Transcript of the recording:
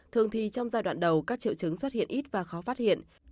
thường thì trong giai đoạn đầu các triệu chứng xuất hiện ít và khó phát hiện